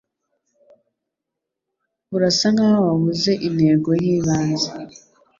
Urasa nkaho wabuze intego yibanze